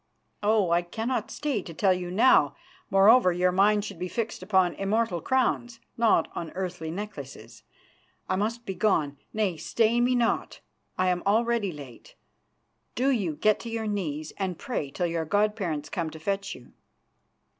"Oh! I cannot stay to tell you now. Moreover, your mind should be fixed upon immortal crowns, and not on earthly necklaces. I must be gone; nay, stay me not, I am already late. Do you get you to your knees and pray till your god parents come to fetch you."